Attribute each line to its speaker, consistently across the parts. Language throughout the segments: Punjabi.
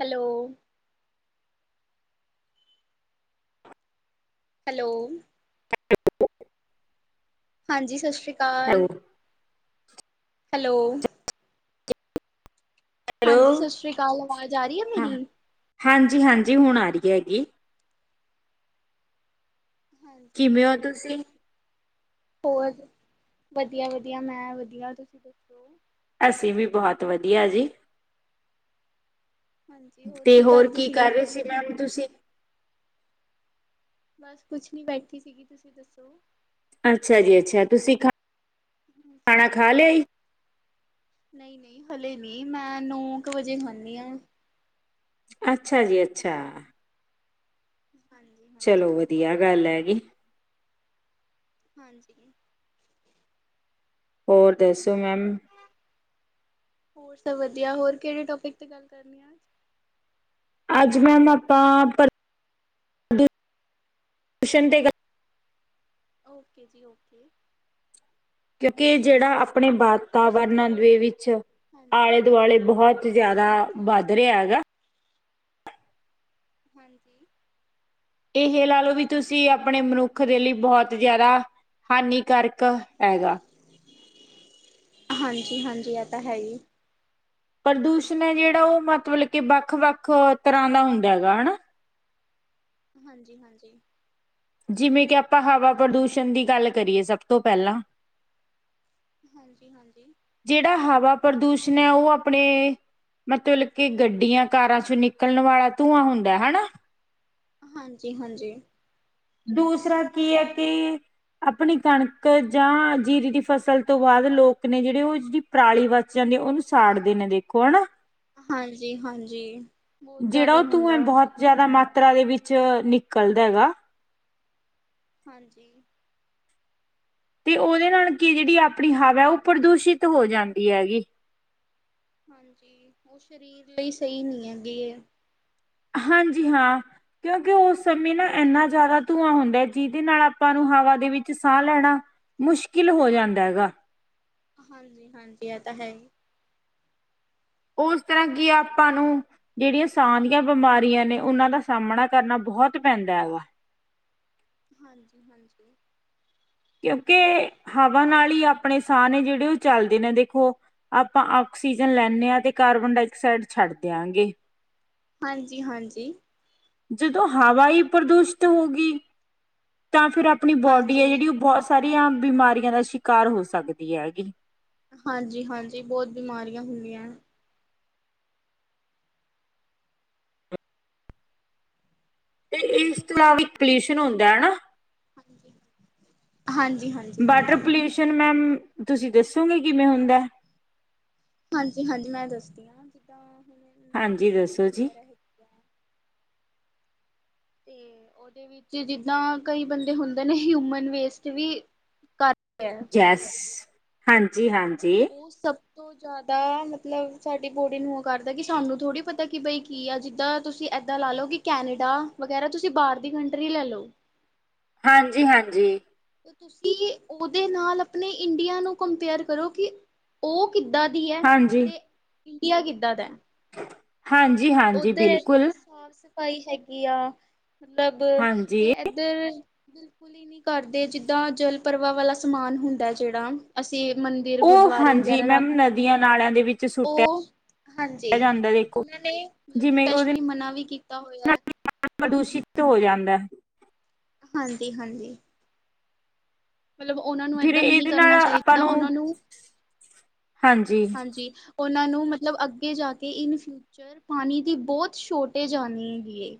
Speaker 1: Hello hello.
Speaker 2: [inaudible]
Speaker 1: ਹਾਂਜੀ ਸਸ ਸ੍ਰੀ
Speaker 2: ਹੈਲੋ
Speaker 1: ਕਾਲ। ਹੈਲੋ। ਹਾਂਜੀ
Speaker 2: ਹੈਲੋ
Speaker 1: ਸਸ ਸ੍ਰੀ ਕਾਲ, ਆਵਾਜ਼ ਆ ਰੀ ਐ ਮੇਰੀ?
Speaker 2: ਹਾਂਜੀ-ਹਾਂਜੀ ਹੁਣ ਆ ਰੀ ਹੇਗੀ।
Speaker 1: ਹਾਂਜੀ।
Speaker 2: ਕਿਵੇਂ ਓ ਤੁਸੀਂ?
Speaker 1: ਹੋਰ ਵਧੀਆ-ਵਧੀਆ ਮੈਂ ਵਧੀਆ ਤੁਸੀਂ ਦੱਸੋ?
Speaker 2: ਅਸੀਂ ਵੀ ਬੋਹਤ ਵਧੀਆ ਜੀ।
Speaker 1: ਹਾਂਜੀ
Speaker 2: ਤੇ ਹੋਰ
Speaker 1: ਕਰਦੇ
Speaker 2: ਕੀ
Speaker 1: ਸੀਗੇ?
Speaker 2: ਕਰ ਰੇ ਸੀ ਮੈਮ ਤੁਸੀਂ।
Speaker 1: ਬਸ ਕੁੱਛ ਨੀ ਬੈਠੀ ਸੀਗੀ, ਤੁਸੀਂ ਦੱਸੋ?
Speaker 2: ਅੱਛਾ ਜੀ ਅੱਛਾ ਤੁਸੀਂ ਖਾ ਖਾਣਾ ਖਾ ਲਿਆ ਈ।
Speaker 1: ਨਈ-ਨਈ ਹਲੇ ਨਹੀਂ ਮੈਂ ਨੌ ਕੁ ਵਜੇ ਖਾਨੀ ਆ।
Speaker 2: ਅੱਛਾ ਜੀ ਅੱਛਾ।
Speaker 1: ਹਾਂਜੀ
Speaker 2: ਚਲੋ
Speaker 1: ਹਾਂਜੀ
Speaker 2: ਵਧੀਆ ਗੱਲ ਹੈਗੀ।
Speaker 1: ਹਾਂਜੀ।
Speaker 2: ਔਰ ਦੱਸੋ ਮੈਮ।
Speaker 1: ਹੋਰ ਸਭ ਵਧੀਆ ਹੋਰ ਕਿਹੜੇ ਟੋਪਿਕ ਤੇ ਗੱਲ ਕਰਨੀ ਆ।
Speaker 2: ਅੱਜ ਮੈਮ ਆਪਾ [unintelligible]
Speaker 1: ਓਕੇ ਜੀ ਓਕੇ।
Speaker 2: ਕਿਉਂਕਿ ਜੇੜਾ ਆਪਣੇ ਬਾਦ ਤਾ
Speaker 1: ਤੁਸੀਂ
Speaker 2: ਵਰਨਨ
Speaker 1: ਥੋੜੇ
Speaker 2: ਦੇ ਵਿੱਚ
Speaker 1: ਹਾਂਜੀ
Speaker 2: ਆਲੇ ਦੁਆਲੇ ਬੋਹਤ ਜਾਦਾ
Speaker 1: ਹਾਂਜੀ
Speaker 2: ਵੱਧ
Speaker 1: ਹਾਂਜੀ।
Speaker 2: ਰਿਹਾ ਹੈਗਾ।
Speaker 1: ਹਾਂਜੀ।
Speaker 2: ਏਹੈ ਲਾ ਲੋ ਵੀ ਤੁਸੀਂ ਆਪਣੇ ਮਨੁੱਖ ਦੇ ਲੀ ਬੋਹਤ ਜਾਦਾ ਹਾਨੀ ਕਾਰਕ ਹੈਗਾ।
Speaker 1: ਹਾਂਜੀ-ਹਾਂਜੀ ਐ ਤਾਂ ਹੈ ਹੀ।
Speaker 2: ਪ੍ਰਦੂਸ਼ਣ ਏ ਜੇੜਾ ਉ ਮਤਲਬ ਕਿ ਵੱਖ-ਵੱਖ ਤਰ੍ਹਾਂ ਦਾ ਹੁੰਦੈ ਹੈਗਾ ਹਨਾ।
Speaker 1: ਹਾਂਜੀ-ਹਾਂਜੀ।
Speaker 2: ਜਿਵੇਂ ਕਿ ਆਪਾਂ ਹਵਾ ਪ੍ਰਦੂਸ਼ਣ ਦੀ ਗੱਲ ਕਰੀਏ ਸਭ ਤੋਂ ਪੈਲਾਂ
Speaker 1: ਹਾਂਜੀ-ਹਾਂਜੀ।
Speaker 2: ਜੇੜਾ ਹਵਾ ਪ੍ਰਦੂਸ਼ਣ ਏ ਉ ਆਪਣੇ ਮਤਲਬ ਕਿ ਗੱਡੀਆਂ ਕਾਰਾਂ ਚੋਂ ਨਿਕਲਣ ਵਾਲਾ ਧੂੰਆਂ ਹੁੰਦੈ ਹਨਾ।
Speaker 1: ਹਾਂਜੀ-ਹਾਂਜੀ।
Speaker 2: ਦੂਸਰਾ ਕੀ ਏ ਕਿ ਆਪਣੀ ਕਣਕ ਜਾਂ ਜੀਰੀ ਦੀ ਫਸਲ ਤੋਂ ਬਾਦ ਲੋਕ ਨੇ ਜੇੜੇ ਉ ਜਿਹੜੀ ਪਰਾਲੀ ਵੱਧ ਜਾਂਦੀ ਏ, ਉਨੂੰ ਸਾੜਦੇ ਨੇ ਦੇਖੋ ਹਨਾ।
Speaker 1: ਹਾਂਜੀ-ਹਾਂਜੀ। ਬਹੁਤ
Speaker 2: ਜੇੜਾ
Speaker 1: ਜ਼ਿਆਦਾ
Speaker 2: ਉ
Speaker 1: ਹੁੰਦਾ
Speaker 2: ਧੂੰਏ
Speaker 1: ਐ।
Speaker 2: ਬੋਤ ਜਾਦਾ ਮਾਤਰਾ ਦੇ ਵਿੱਚ ਨਿਕਲਦਾ ਹੈਗਾ।
Speaker 1: ਹਾਂਜੀ।
Speaker 2: ਤੇ ਉਦੇ ਨਾਲ ਕੀ ਜੇੜੀ ਆਪਣੀ ਹਵਾ ਉ ਪ੍ਰਦੂਸ਼ਿਤ ਹੋ ਜਾਂਦੀ ਹੈਗੀ।
Speaker 1: ਹਾਂਜੀ ਉ ਸਰੀਰ ਲਈ ਸਈ ਨੀ ਹੈਗੀ ਏ।
Speaker 2: ਹਾਂਜੀ ਹਾਂ ਕਿਉਂਕਿ ਉਸ ਸਮੇਂ ਨਾ
Speaker 1: ਹਾਂਜੀ,
Speaker 2: ਏਨਾ ਜਾਦਾ ਧੂਆਂ ਹੁੰਦਾ ਜਿਦੇ ਨਾਲ ਆਪਾਂ ਨੂੰ ਹਵਾ ਦੇ ਵਿੱਚ ਸਾਹ ਲੈਣਾ ਮੁਸ਼ਕਿਲ ਹੋ ਜਾਂਦਾ ਹੈਗਾ।
Speaker 1: ਹਾਂਜੀ-ਹਾਂਜੀ ਐ ਤਾਂ ਹੈ ਈ।
Speaker 2: ਉਸ ਤਰ੍ਹਾਂ ਕੀ ਆਪਾਂ ਨੂੰ ਜੈੜੀਆਂ ਸਾਹ ਦੀਆਂ ਬਿਮਾਰੀਆਂ ਨੇ ਉਨਾਂ ਦਾ ਸਾਹਮਣਾ ਕਰਨਾ ਬਹੁਤ ਪੈਂਦਾ ਵਾ।
Speaker 1: ਹਾਂਜੀ-ਹਾਂਜੀ।
Speaker 2: ਕਿਉਂਕਿ ਹਵਾ ਨਾਲ ਈ ਆਪਣੇ ਸਾਹ ਨੇ ਜੇੜੇ ਉ ਚੱਲਦੇ ਨੇ ਦੇਖੋ ਆਪਾਂ ਆਕਸੀਜਨ ਲੈਂਨੇ ਆਂ ਤੇ ਕਾਰਬਨ ਡਾਇਆਕਸਾਈਡ ਛੱਡ ਦਿਆਂਗੇ।
Speaker 1: ਹਾਂਜੀ-ਹਾਂਜੀ।
Speaker 2: ਜਦੋਂ ਹਵਾ ਈ ਪ੍ਰਦੂਸ਼ਿਤ ਹੋ ਗਈ, ਤਾਂ ਫਿਰ ਆਪ ਆਪਣੀ ਬੋਡੀ ਏ
Speaker 1: ਹਾਂਜੀ,
Speaker 2: ਜੇੜੀ ਉ ਬੋਤ ਸਾਰੀਆਂ ਬਿਮਾਰੀਆਂ ਦਾ ਸ਼ਿਕਾਰ ਹੋ ਸਕਦੀ ਐ ਹੈਗੀ।
Speaker 1: ਹਾਂਜੀ-ਹਾਂਜੀ ਬੋਤ ਬਿਮਾਰੀਆਂ ਹੁੰਦੀਐਂ।
Speaker 2: ਤੇ
Speaker 1: ਹੈਲੋ,
Speaker 2: ਇਸ ਤਲਾ ਇੱਕ ਪੋਲਿਊਸ਼ਨ ਹੁੰਦੈ ਏ ਨਾ।
Speaker 1: ਹਾਂਜੀ। ਹਾਂਜੀ-ਹਾਂਜੀ,
Speaker 2: ਵਾਟਰ
Speaker 1: ਹਾਂਜੀ,
Speaker 2: ਪੋਲਿਊਸ ਸ਼ਨ ਮੈਮ ਤੁਸੀਂ ਦੱਸੋਗੇ ਕਿਵੇਂ ਹੁੰਦੈ।
Speaker 1: ਹਾਂਜੀ-ਹਾਂਜੀ ਮੈਂ ਦੱਸਦੀ ਆਂ। ਜਿੱਦਾਂ
Speaker 2: ਹਾਂਜੀ
Speaker 1: ਮਤਲਬ
Speaker 2: ਦੱਸੋ
Speaker 1: ਨਦੀ
Speaker 2: ਜੀ।
Speaker 1: ਵਗੈਰਾ ਹੈਗੀ ਆ। ਤੇ ਉਦੇ ਵਿੱਚ ਜਿੱਦਾਂ ਕਈ ਬੰਦੇ ਹੁੰਦੇ ਨੇ ਹਿਊਮਨ ਵੇਸਟ ਵੀ ਕਰ ਰਿਹਾ
Speaker 2: ਜੈਸ ਹਾਂਜੀ-ਹਾਂਜੀ
Speaker 1: ਉ ਸਭ ਤੋਂ ਜਾਦਾ ਮਤਲਬ ਸਾਡੀ ਬੋਡੀ ਨੂੰ ਉ ਕਰਦਾ ਕਿ ਸਾਨੂੰ ਥੋੜ੍ਹੀ ਪਤਾ ਕਿ ਬਈ ਕੀ ਆ ਜਿੱਦਾਂ ਤੁਸੀਂ ਏਦਾਂ ਲਾ ਲੋ ਕਿ ਕੈਨੇਡਾ ਵਗੈਰਾ ਤੁਸੀਂ ਬਾਰ ਦੀ ਕੰਟਰੀ ਲੈ ਲੋ।
Speaker 2: ਹਾਂਜੀ-ਹਾਂਜੀ।
Speaker 1: ਤੁਸੀਂ ਉਦੇ ਨਾਲ ਆਪਣੇ ਇੰਡੀਆ ਨੂੰ ਕੰਪੇਅਰ ਕਰੋ ਕਿ ਉ ਕਿੱਦਾਂ ਦੀ ਐ
Speaker 2: ਹਾਂਜੀ
Speaker 1: ਤੇ ਇੰਡੀਆ ਕਿੱਦਾਂ ਦੈ।
Speaker 2: [inaudible] ਹਾਂਜੀ
Speaker 1: ਉੱਧਰ ਏਨੀ
Speaker 2: ਬਿਲਕੁਲ
Speaker 1: ਸਾਫ਼ ਸਫ਼ਾਈ ਹੈਗੀ ਆ ਮਤਲਬ
Speaker 2: ਹਾਂਜੀ
Speaker 1: ਤੇ ਧਰ ਬਿਲਕੁਲ ਈ ਨੀ ਕਰਦੇ, ਜਿੱਦਾਂ ਜਲ ਪਰਵਾ ਵਾਲਾ ਸਮਾਨ ਹੁੰਦਾ ਜੇੜਾ। ਅਸੀਂ ਮੰਦਿਰ,
Speaker 2: ਉਹ
Speaker 1: ਗੁਰਦੁਆਰੇ
Speaker 2: ਹਾਂਜੀ
Speaker 1: ਵਗੈਰਾ
Speaker 2: ਮੈਮ
Speaker 1: ਰੱਖਦੇ ਆਂ
Speaker 2: ਨਦੀਆਂ ਨਾਲਿਆਂ ਦੇ ਵਿੱਚ ਸੁੱਟਿਆ
Speaker 1: ਉ ਹਾਂਜੀ
Speaker 2: ਜਾਂਦਾ ਦੇਖੋ
Speaker 1: ਉਨਾਂ ਤੇ ਮਤਲਬ ਸਪੈਸ਼ਲੀ ਮਨਾ ਵੀ ਕੀਤਾ ਹੋਇਆ ਹੈ।
Speaker 2: ਪਾਨੀ ਪ੍ਰਦੂਸ਼ਿਤ ਹੋ ਜਾਂਦੈ।
Speaker 1: ਹਾਂਜੀ-ਹਾਂਜੀ। ਮਤਲਬ ਓਨਾਂ ਨੂੰ
Speaker 2: ਫਿਰ
Speaker 1: ਏਦਾਂ ਨਹੀਂ
Speaker 2: ਇਹਦੇ ਨਾਲ
Speaker 1: ਕਰਨਾ
Speaker 2: ਆਪਾਂ
Speaker 1: ਚਾਈਦਾ ਓਨਾਂ ਨੂੰ, ਹਾਂਜੀ ਓਨਾਂ ਨੂੰ ਮਤਲਬ ਅੱਗੇ ਜਾ ਕੇ ਇਨ ਫਿਊਚਰ ਪਾਨੀ ਦੀ ਬੋਤ ਸੋਟੇਜ ਆਨੀ ਹੈਗੀ ਏ।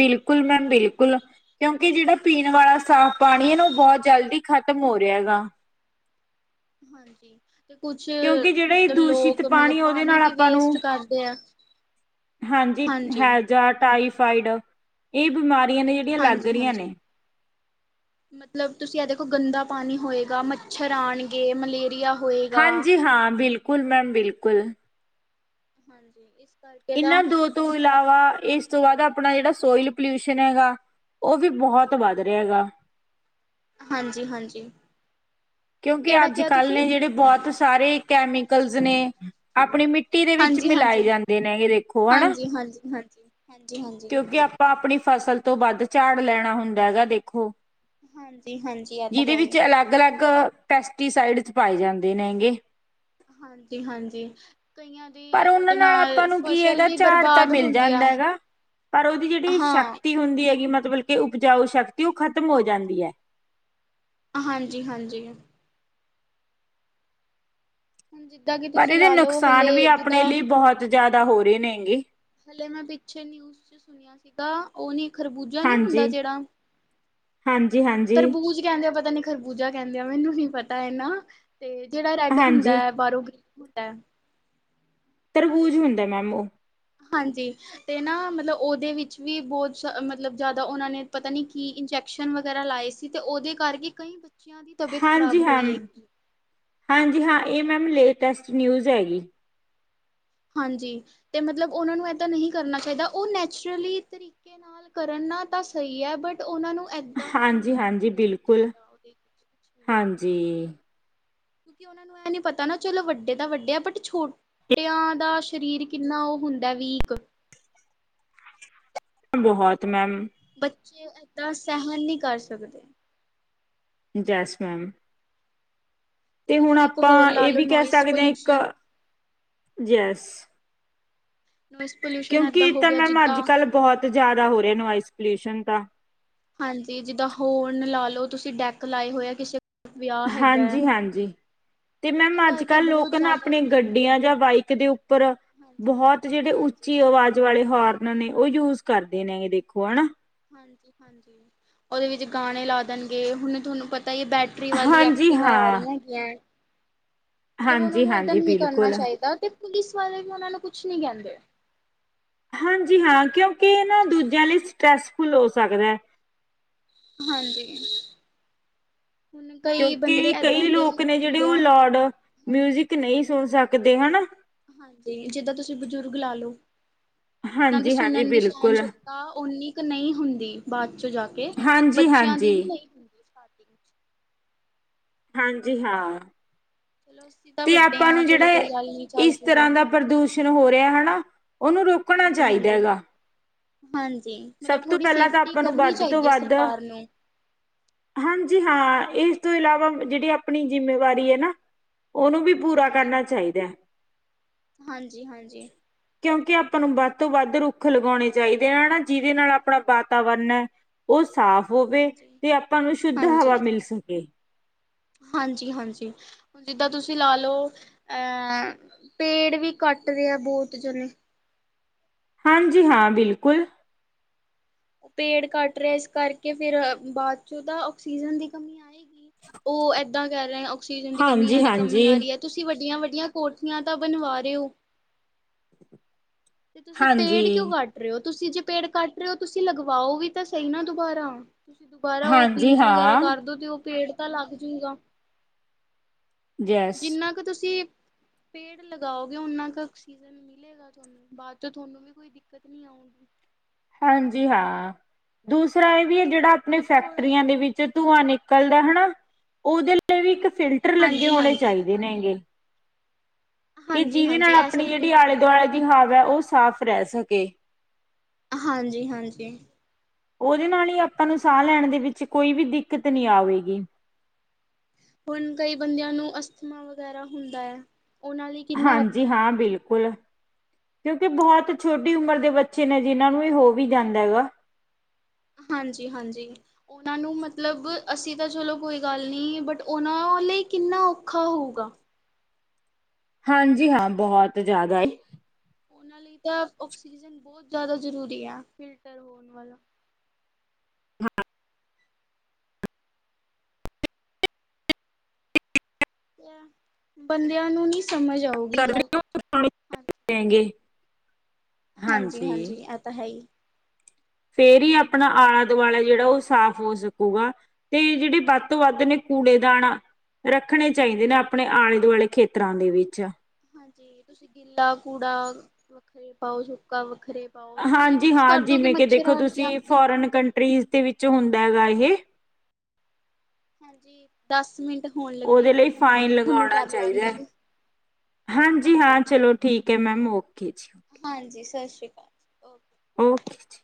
Speaker 2: ਬਿਲਕੁਲ ਮੈਮ ਬਿਲਕੁਲ। ਕਿਓਂਕਿ ਜੇੜਾ ਪੀਨ ਵਾਲਾ ਸਾਫ਼ ਪਾਨੀ ਐ ਨਾ ਓ ਬਹੁ ਜਲਦੀ ਖ਼ਤਮ ਹੋ ਰਿਆ ਗਾ।
Speaker 1: ਹਾਂਜੀ। ਤੇ ਕੁਛ
Speaker 2: ਕਿਉਂਕਿ ਜਿਹੜਾ ਇਹ
Speaker 1: ਮਤਲਬ
Speaker 2: ਦੂਸ਼ਿਤ
Speaker 1: ਲੋਕ ਮਤਲਬ
Speaker 2: ਪਾਣੀ ਉਹਦੇ
Speaker 1: ਪਾਨੀ
Speaker 2: ਨਾਲ
Speaker 1: ਵੀ
Speaker 2: ਆਪਾਂ ਨੂੰ
Speaker 1: ਵੇਸਟ ਕਰਦੇ ਆ।
Speaker 2: ਹਾਂਜੀ ਹੈਜ਼ਾ, ਟਾਈਫਾਈਡ, ਏ ਬਮਾਰੀਆਂ ਨੇ ਜੇੜੀਆਂ ਲੱਗ
Speaker 1: ਹਾਂਜੀ
Speaker 2: ਰੀਆਂ
Speaker 1: ਹਾਂਜੀ
Speaker 2: ਨੇ।
Speaker 1: ਮਤਲਬ ਤੁਸੀਂ ਐ ਦੇਖੋ ਗੰਦਾ ਪਾਨੀ ਹੋਏਗਾ ਮੱਛਰ ਆਨਗੇ ਮਲੇਰੀਆ ਹੋਏਗਾ
Speaker 2: ਹਾਂਜੀ ਹਾਂ ਬਿਲਕੁਲ ਮੈਮ ਬਿਲਕੁਲ।
Speaker 1: ਹਾਂਜੀ ਇਸ ਕਰਕੇ ਤਾਂ
Speaker 2: ਏਨਾਂ ਦੋ ਤੋਂ
Speaker 1: ਉਹਨਾਂ ਨੂੰ ਏਦਾਂ
Speaker 2: ਇਲਾਵਾ
Speaker 1: ਨਹੀਂ
Speaker 2: ਏਸ
Speaker 1: ਕਰਨਾ
Speaker 2: ਤੋਂ ਬਾਦ
Speaker 1: ਚਾਹੀਦਾ
Speaker 2: ਆਪਨਾ ਜੇੜਾ
Speaker 1: ਹਾਂਜੀ
Speaker 2: ਸੋਇਲ ਪੋਲਿਊਸ਼ਨ ਹੈਗਾ ਓ ਵੀ ਬਹੋਤ ਵੱਦ ਰਿਆ ਗਾ।
Speaker 1: ਹਾਂਜੀ-ਹਾਂਜੀ।
Speaker 2: ਕਿਓਂਕਿ ਅੱਜ-ਕੱਲ ਨੇ ਜੇੜੇ ਬੋਤ ਸਾਰੇ ਕੈਮੀਕਲਜ਼ ਨੇ ਆਪਨੀ ਮਿੱਟੀ ਮਿੱਟੀ ਦੇ ਵਿੱਚ ਮਿਲਾਏ ਜਾਂਦੇ ਨੇ ਗੇ ਦੇਖੋ ਹਨਾ।
Speaker 1: ਹਾਂਜੀ-ਹਾਂਜੀ। ਹਾਂਜੀ-ਹਾਂਜੀ।
Speaker 2: ਕਿਓਂਕਿ ਆਪਾਂ ਆਪਨੀ ਫਸਲ ਤੋਂ ਵੱਧ ਝਾੜ ਲੈਨਾ ਹੁੰਦਾ ਹੈਗਾ ਦੇਖੋ
Speaker 1: ਹਾਂਜੀ-ਹਾਂਜੀ।
Speaker 2: ਜਿਦੇ ਵਿੱਚ ਅਲੱਗ-ਅਲੱਗ ਪੈਸਟੀਸਾਈਡਜ਼ ਪਾਏ ਜਾਂਦੇ ਨੇ ਗੇ।
Speaker 1: ਹਾਂਜੀ-ਹਾਂਜੀ, ਕਈਆਂ
Speaker 2: ਪਰ
Speaker 1: ਦੀ
Speaker 2: ਓਨਾਂ
Speaker 1: ਉਹਦੇ
Speaker 2: ਨਾਲ ਆਪਾਂ ਨੂੰ ਕੀ
Speaker 1: ਫਸਲ
Speaker 2: ਹੈਗਾ
Speaker 1: ਵੀ
Speaker 2: ਝਾੜ ਤਾਂ
Speaker 1: ਬਰਬਾਦ
Speaker 2: ਮਿਲ
Speaker 1: ਹੁੰਦੀ ਆ
Speaker 2: ਜਾਂਦਾ ਐ ਗਾ ਪਰ ਓਦੀ ਜੇੜੀ
Speaker 1: ਹਾਂ
Speaker 2: ਸ਼ਕਤੀ ਹੁੰਦੀ ਹੈਗੀ ਮਤਲਬ ਕੇ ਉਪਜਾਊ ਸ਼ਕਤੀ ਓ ਖ਼ਤਮ ਹੋ ਜਾਂਦੀ ਐ।
Speaker 1: ਹਾਂਜੀ-ਹਾਂਜੀ। ਹੁਨ ਜਿੱਦਾਂ ਕੀ ਤੁਸੀਂ ਲਾ ਲੋ ਹਲੇ ਜਿੱਦਾਂ
Speaker 2: ਜਾਦਾ ਹੋ ਰਏ ਨੇ ਗੇ।
Speaker 1: ਹਲੇ ਮੈਂ ਪਿੱਛੇ ਨਿਊਜ਼ ਚ ਸੁਨੇਆ ਸੀ ਸੀਗਾ ਓ ਨੀ ਖਰਬੂਜਾ ਨੀ ਹੁੰਦਾ
Speaker 2: ਹਾਂਜੀ
Speaker 1: ਜੇੜਾ
Speaker 2: ਹਾਂਜੀ ਹਾਂਜੀ
Speaker 1: ਤਰਬੂਜ ਕੈਂਦੇ ਪਤਾ ਨੀ ਖਰਬੂਜਾ ਕੈਂਦੇ ਆ ਮੈਨੂੰ ਨੀ ਪਤਾ ਏਨਾ, ਤੇ ਜੇੜਾ ਰੈੱਡ ਹੁੰਦਾ
Speaker 2: ਹਾਂਜੀ
Speaker 1: ਐ ਬਾਹਰੋ ਗ੍ਰੀਨ ਜਾ ਹੁੰਦੈ
Speaker 2: ਤਰਬੂਜ ਹੁੰਦਾ ਮੈਮ ਓ।
Speaker 1: ਹਾਂਜੀ। ਤੇ ਨਾ ਮਤਲਬ ਓਦੇ ਵਿੱਚ ਵੀ ਬੋਤ ਸ ਮਤਲਬ ਜਾਦਾ ਓਨਾ ਨੇ ਪਤਾ ਨੀ ਕੀ ਇੰਜ਼ੈ ਕਸ਼ਨ ਵਗੈਰਾ ਲਾਏ ਸੀ ਤੇ ਓਦੇ ਕਰਕੇ ਕਈ ਬੱਚੇ
Speaker 2: ਹਾਂਜੀ ਹਾਂ, ਹਾਂਜੀ ਹਾਂ ਏ ਮੈਮ ਲੇਟੈਸਟ ਨਿਊਜ਼ ਐ ਗੀ।
Speaker 1: ਹਾਂਜੀ ਤੇ ਮਤਲਬ ਓਨਾਂ ਨੂੰ ਐਦਾਂ ਨਹੀਂ ਕਰਨਾ ਚਾਈਦਾ ਓ ਨੈਚੁਰਲੀ ਤਰੀਕੇ ਨਾਲ ਕਰਨ ਨਾ ਤਾਂ ਸਈ ਐ ਬਟ ਓਨਾਂ ਨੂੰ ਐਦਾਂ
Speaker 2: ਹਾਂਜੀ
Speaker 1: ਇੰਜੈਕਟ
Speaker 2: ਹਾਂਜੀ
Speaker 1: ਨਈਂ ਕਰਨਾ
Speaker 2: ਬਿਲਕੁਲ
Speaker 1: ਚਾਈਦਾ ਓਦੇ
Speaker 2: ਹਾਂਜੀ।
Speaker 1: ਕੇ ਓਨਾਂ ਨੂੰ ਐਂ ਨੀ ਪਤਾ ਨਾ ਚਲੋ ਵੱਡੇ ਤਾਂ ਵੱਡੇ ਆ ਬਟ ਛੋ ਟਿਆਂ ਦਾ ਸਰੀਰ ਕਿੰਨਾ ਓ ਹੁੰਦਾ ਵੀਕ।
Speaker 2: ਬਹੋਤ ਮੈਮ
Speaker 1: ਬੱਚੇ ਐਦਾਂ ਸਹੈਨ ਨੀ ਕਰ ਸਕਦੇ।
Speaker 2: Yes ma'am. ਤੇ ਹੁਣ
Speaker 1: ਤੁਸੀਂ ਇੱਕ ਹੋਰ
Speaker 2: ਆਪਾਂ
Speaker 1: ਲਾ
Speaker 2: ਏ
Speaker 1: ਲਓ
Speaker 2: ਵੀ ਕੈ
Speaker 1: ਨੋਇਸ
Speaker 2: ਸਕਦੇ ਆਂ ਇੱਕ,
Speaker 1: ਪੋਲਿਊਸ਼ਨ
Speaker 2: ਯੇਸ।
Speaker 1: ਮਿਸ ਪਲੀ
Speaker 2: ਕਿਉਂਕਿ ਏ ਤਾਂ ਮੈਮ ਅੱਜ-ਕਲ ਬਹੁਤ ਜ਼ਿਆਦਾ ਹੋ ਰੇ ਨੋਆਇਸ ਪੋਲਿਊਸ਼ਨ ਤਾਂ।
Speaker 1: ਹਾਂਜੀ ਜਿੱਦਾਂ ਹੋਰਨ ਲਾ ਲੋ ਤੁਸੀਂ ਡੈਕ ਲਾਏ ਹੋਏ ਆ ਕਿਸੇ ਵਿਆਹ ਹੈਗਾ
Speaker 2: ਹਾਂਜੀ ਹਾਂਜੀ। ਤੇ ਮੈਮ
Speaker 1: ਉਹਦੇ ਕਰਕੇ
Speaker 2: ਅੱਜ-ਕਲ ਲੋਕ
Speaker 1: ਬਹੁਤ
Speaker 2: ਨਾਂ
Speaker 1: ਜ਼ਿਆਦਾ ਹੀ
Speaker 2: ਆਪਣੇ
Speaker 1: ਨੋਇਜ਼ ਹੋ
Speaker 2: ਗੱਡੀਆਂ ਜਾਂ ਬਾਈਕ ਦੇ ਉੱਪਰ
Speaker 1: ਹਾਂਜੀ,
Speaker 2: ਬੋਹਤ ਜੇੜੇ
Speaker 1: ਹਾਂਜੀ,
Speaker 2: ਉੱਚੀ ਆਵਾਜ਼ ਵਾਲੇ ਹੋਰਨ ਨੇ ਓ ਯੂਜ਼ ਕਰਦੇ ਨੇਗੇ ਦੇਖੋ ਹਨਾਂ।
Speaker 1: ਹਾਂਜੀ ਹਾਂਜੀ, ਓਦੇ ਵਿੱਚ ਗਾਣੇ ਲਾ ਦੇਣਗੇ ਹੁਣ ਤੁਹਨੂੰ ਪਤਾ ਈ ਬੈਟ ਰੀ ਵਾਲੀ
Speaker 2: ਹਾਂਜੀ
Speaker 1: ਐਕਟਿਵਾ ਆ
Speaker 2: ਹਾਂ
Speaker 1: ਰੀਆਂ ਹੈਗੀਆਂ। ਮਤਲਬ ਉਹਨਾਂ
Speaker 2: ਹਾਂਜੀ
Speaker 1: ਨੂੰ ਏਦਾਂ
Speaker 2: ਹਾਂਜੀ
Speaker 1: ਨੀਂ ਕਰਨਾ
Speaker 2: ਬਿਲਕੁਲ
Speaker 1: ਚਾਈਦਾ ਤੇ ਪੁਲਿਸ ਵਾਲੇ ਵੀ ਓਨਾਂ ਨੂੰ ਕੁਛ ਨੀਂ ਕੈਂਦੇ।
Speaker 2: ਹਾਂਜੀ ਹਾਂ, ਕਿਉਂਕਿ ਏ ਨਾਂ ਦੂਜਿਆਂ ਲਈ ਸਟਰੈੱਸਫੁਲ ਹੋ ਸਕਦਾ।
Speaker 1: ਹਾਂਜੀ। ਹੁਣ ਕਈ ਬੰਦੇ
Speaker 2: ਕਿਉਂਕਿ ਕਈ
Speaker 1: ਏਦਾਂ ਦੇ ਵੀ
Speaker 2: ਲੋਕ ਨੇ ਜੇੜੇ
Speaker 1: ਹੁੰਦੇ
Speaker 2: ਓ
Speaker 1: ਆ।
Speaker 2: ਲੋਡ ਮਿਊਜਿਕ ਨਈਂ ਸੁਣ ਸਕਦੇ। ਹਨਾਂ?
Speaker 1: ਹਾਂਜੀ, ਜਿੱਦਾਂ ਤੁਸੀਂ ਬਜ਼ੁਰਗ ਲਾ ਲੋ, ਓਨਾਂ ਦੀ
Speaker 2: ਹਾਂਜੀ-ਹਾਂਜੀ
Speaker 1: ਸੁਣਨ ਦੀ ਸਾਨ
Speaker 2: ਬਿਲਕੁਲ
Speaker 1: ਸ਼ਕਤੀ ਤਾਂ ਓਨੀ ਕ ਨਈਂ ਹੁੰਦੀ ਬਾਅਦ ਚੋਂ ਜਾ ਕੇ। ਬੱਚਿਆਂ ਦੀ
Speaker 2: ਹਾਂਜੀ-ਹਾਂਜੀ।
Speaker 1: ਵੀ ਨਈਂ [inaudible]
Speaker 2: ਹਾਂਜੀ, ਹਾਂ।
Speaker 1: [unintelligible]
Speaker 2: ਤੇ ਆਪਾਂ
Speaker 1: ਹਾਂ
Speaker 2: ਨੂੰ ਜੇੜਾ
Speaker 1: ਚਲੋ
Speaker 2: ਏ
Speaker 1: ਕੋਈ ਗੱਲ ਨੀ ਚੱਲ
Speaker 2: ਇਸ
Speaker 1: ਜੂਗਾ
Speaker 2: ਤਰ੍ਹਾਂ ਦਾ
Speaker 1: ਹਾਂਜੀ,
Speaker 2: ਪ੍ਰਦੂਸ਼ਣ ਹੋ ਰਿਆ, ਹਨਾਂ। ਓਨੂੰ ਰੋਕਣਾ
Speaker 1: ਹਾਂਜੀ,
Speaker 2: ਚਾਈਦਾ
Speaker 1: ਹਾਂਜੀ।
Speaker 2: ਹੈਗਾ।
Speaker 1: ਹਾਂਜੀ,
Speaker 2: ਸਭ
Speaker 1: ਮਤਲਬ
Speaker 2: ਤੋਂ
Speaker 1: ਥੋੜ੍ਹੀ
Speaker 2: ਪਹਿਲਾਂ ਤਾਂ
Speaker 1: ਸੇਫਟੀ
Speaker 2: ਆਪਾਂ ਨੂੰ
Speaker 1: ਕਰਨੀ
Speaker 2: ਵੱਧ ਤੋਂ
Speaker 1: ਚਾਈਦੀਏ
Speaker 2: ਵੱਧ
Speaker 1: ਸਰਕਾਰ ਨੂੰ।
Speaker 2: ਹਾਂਜੀ ਹਾਂ, ਇਸ ਤੋਂ ਇਲਾਵਾ ਜੇੜੀ ਆਪਣੀ ਜਿੰਮੇਵਾਰੀ ਐ ਨਾਂ ਓਨੂੰ ਵੀ ਪੂਰਾ
Speaker 1: ਹਾਂਜੀ।
Speaker 2: ਕਰਨਾ ਚਾਈਦੈ।
Speaker 1: ਹਾਂਜੀ ਹਾਂਜੀ
Speaker 2: ਕਿਉਂਕਿ ਆਪਾਂ ਨੂੰ ਵੱਧ ਤੋਂ ਵੱਧ ਰੁੱਖ ਲਗਾਉਣੇ ਚਾਈਦੇ ਆ ਨਾਂ ਜਿਦੇ ਨਾਲ ਆਪਣਾ ਵਾਤਾਵਰਨ ਓ ਸਾਫ਼ ਹੋਵੇ
Speaker 1: ਹਾਂਜੀ
Speaker 2: ਤੇ ਆਪਾਂ ਨੂੰ ਸ਼ੁੱਧ ਹਵਾ
Speaker 1: ਹਾਂਜੀ
Speaker 2: ਮਿਲ ਸਕੇ।
Speaker 1: ਹਾਂਜੀ ਹਾਂਜੀ। ਹੁਣ ਜਿੱਦਾਂ ਤੁਸੀਂ ਲਾ ਲੋ, ਅਹ ਪੇੜ ਵੀ ਕੱਟ ਰੇ ਆ ਬੋਤ ਜਣੇ।
Speaker 2: ਹਾਂਜੀ ਹਾਂ, ਬਿਲਕੁਲ।
Speaker 1: ਪੇੜ ਕੱਟ ਰੇ ਇਸ ਕਰਕੇ ਫਿਰ ਬਾਅਦ ਚੋਂ ਤਾਂ ਆਕਸੀਜਨ ਦੀ ਕਮੀ ਆ ਓ ਏਦਾਂ ਕੈ ਰਏਂ ਆਕਸੀਜਨ ਦੀ ਕਮੀ
Speaker 2: ਹਾਂਜੀ
Speaker 1: ਆਰੀ,
Speaker 2: ਹਾਂਜੀ
Speaker 1: ਕਮੀ ਆ ਰੀ ਐ। ਤੁਸੀਂ ਵੱਡੀਆਂ-ਵੱਡੀਆਂ ਕੋਠੀਆਂ ਤਾਂ ਬਣਵਾ ਰੇ ਓ ਤੇ ਤੁਸੀਂ
Speaker 2: ਹਾਂਜੀ
Speaker 1: ਪੇੜ ਕਿਉਂ ਕੱਟ ਰੇ ਓ, ਤੁਸੀਂ ਜੇ ਪੇੜ ਕੱਟ ਰੇ ਓ ਤੁਸੀਂ ਲਗਵਾਓ ਵੀ ਤਾਂ ਸਈ ਨਾਂ ਦੁਬਾਰਾ। ਤੁਸੀਂ ਦੁਬਾਰਾ ਓ
Speaker 2: ਹਾਂਜੀ
Speaker 1: ਬੀਜ ਵਗੈਰਾ
Speaker 2: ਹਾਂ
Speaker 1: ਕਰਦੋ ਤੇ ਓ ਪੇੜ ਤਾਂ ਲੱਗ ਜੁਗਾ।
Speaker 2: ਯੈਸ
Speaker 1: ਜਿੰਨਾ ਕ ਤੁਸੀਂ, ਪੇੜ ਲਗਾਓਗੇ ਓਨਾਂ ਕ ਓਕਸੀਜ਼ਨ ਮਿਲੇਗਾ ਤੁਆਨੂੰ। ਬਾਦ ਚ ਤੁਹਾਨੂੰ ਵੀ ਕੋਈ ਦਿੱਕਤ ਨੀਂ ਆਊਗੀ।
Speaker 2: ਹਾਂਜੀ ਹਾਂ, ਦੂਸਰਾ ਏ ਵੀ ਏ ਜੇੜਾ ਆਪਣੇ
Speaker 1: ਮਤਲਬ ਥੋੜਾ
Speaker 2: ਫੈਕਟਰੀਆਂ ਦੇ ਵਿੱਚ ਧੂੰਆਂ ਨਿ ਨਿਕਲਦਾ ਹਨਾਂ। ਓਦੇ ਲਈ ਵੀ ਇੱਕ ਫਿਲਟਰ ਲੱਗੇ ਹੋਣੇ
Speaker 1: ਹਾਂਜੀ-ਹਾਂਜੀ,
Speaker 2: ਚਾਈਦੇ ਨੇ ਹੈਂਗੇ। ਕਿ ਜਿਦੇ
Speaker 1: ਹਾਂਜੀ-ਹਾਂਜੀ
Speaker 2: ਨਾਲ
Speaker 1: ਇਹ
Speaker 2: ਅਪਣੀ
Speaker 1: ਸਭ
Speaker 2: ਜੇੜੀ
Speaker 1: ਤੋਂ ਵਧੀਆ
Speaker 2: ਆਲੇ-ਦੁਆਲੇ ਦੀ
Speaker 1: ਜ਼ਰੂਰੀ ਹੈ।
Speaker 2: ਹਵਾ ਓ ਸਾਫ਼ ਰੈ ਸਕੇ।
Speaker 1: ਹਾਂਜੀ, ਹਾਂਜੀ।
Speaker 2: ਓਦੇ ਨਾਲ ਈ ਆਪਾਂ ਨੂੰ ਸਾ ਲੈਣ ਦੇ ਵਿੱਚ ਕੋਈ ਵੀ ਦਿੱਕਤ ਨੀਂ ਆਵੇਗੀ।
Speaker 1: ਹੁਣ ਕਈ ਬੰਦਿਆਂ ਨੂੰ ਅਸਥਮਾ ਵਗੈਰਾ ਹੁੰਦਾ ਐ, ਓਨਾਂ ਲਈ ਕਿੰਨਾ
Speaker 2: ਹਾਂਜੀ
Speaker 1: ਔਖਾ ਹੈ
Speaker 2: ਹਾਂ, ਬਿਲਕੁਲ। ਕਿਉਂਕਿ ਬੋਹਤ ਛੋਟੀ
Speaker 1: ਹੁਣ
Speaker 2: ਉਮਰ ਦੇ ਬਚ ਬੱਚੇ ਨੇ ਜਿਨਾਂ ਨੂੰ ਏ ਹੋ ਵੀ ਜਾਂਦੈ ਹੈਗਾ।
Speaker 1: ਹਾਂਜੀ, ਹਾਂਜੀ। ਓਨਾਂ ਨੂੰ ਮਤਲਬ, ਅਸੀਂ ਤਾਂ ਚਲੋ ਕੋਈ ਗੱਲ ਨੀ ਬਟ ਓਨਾਂ ਲਈ ਕਿੰਨਾ ਔਖਾ ਹੋਊਗਾ।
Speaker 2: ਹਾਂਜੀ ਹਾਂ, ਬੋਹਤ ਜਾਦਾ ਏ।
Speaker 1: ਓਨਾਂ ਲਈ ਤਾਂ ਓਕਸੀਜ਼ਨ ਬੋਤ ਜਾਦਾ ਜ਼ਰੂਰੀ ਆ ਫਿਲਟਰ ਹੋਣ ਵਾਲਾ।
Speaker 2: ਹਾਂ
Speaker 1: ਏਆ ਬੰਦੇਆਂ ਨੂੰ ਨੀ ਸਮਜ ਆਊ
Speaker 2: [unintelligible]
Speaker 1: ਹਾਂਜੀ- ਹਾਂਜੀ ਐ ਤਾਂ ਹੈ ਈ।
Speaker 2: ਫੇਰ ਈ ਪਣਾ
Speaker 1: ਹਾਂਜੀ।
Speaker 2: ਆਲਾ-ਦੁਆਲਾ ਜੇੜਾ ਓ ਸਾਫ਼ ਹੋ ਸਕੂਗਾ, ਤੇ ਜੇੜੇ ਬਦ ਤੋਂ ਬੱਦ ਨੇ ਕੂੜੇ ਦਾਨ ਆ ਰੱਖਣੇ ਚਾਈਦੇ ਨੇ ਆਪ ਅਪਣੇ
Speaker 1: ਹਾਂਜੀ
Speaker 2: ਆਲੇ-ਦੁਆਲੇ ਖੇਤਰਾਂ ਦੇ ਵਿੱਚ।
Speaker 1: ਹਾਂਜੀ ਤੁਸੀਂ ਗਿੱਲਾ ਕੂੜਾ ਵਖਰੀ ਪਾਓ, ਸੁਕਾ ਵੱਖਰੀ
Speaker 2: ਹਾਂਜੀ ਹਾਂ, ਜਿਵੇਂ ਕਿ ਦੇਖੋ ਤੁਸੀਂ
Speaker 1: ਆਪੇ ਹੀ।
Speaker 2: ਫੋਰਨ ਕੰਟਰੀਜ਼ ਦੇ ਵਿੱਚ ਹੁੰਦਾ ਹੈਗਾ ਏਹੇ।
Speaker 1: ਹਾਂਜੀ, ਦਸ ਮਿੰਟ ਹੋਣ ਲੱਗੇ
Speaker 2: ਉਹਦੇ
Speaker 1: ਨੇ
Speaker 2: ਲਈ
Speaker 1: ਤਾਂ ਮੈਂ
Speaker 2: ਫਾਈਨ
Speaker 1: ਥੋਨੂੰ
Speaker 2: ਲਗਾਉਣਾ ਚਾਹੀਦਾ ਹੈ।
Speaker 1: ਕਰਲਾਂਗੀ।
Speaker 2: ਹਾਂਜੀ ਹਾਂ, ਚਲੋ ਠੀਕ ਐ ਮੈਮ, ਓਕੇ ਜੀ।
Speaker 1: ਹਾਂਜੀ, ਸਸ਼੍ਰੀ ਕਾਲ।
Speaker 2: ਓਕੇ।